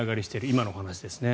今のお話ですね。